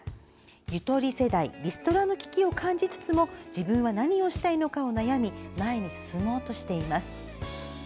ゆとり世代リストラの危機を感じつつも自分は何をしたいのか悩み前に進もうとしています。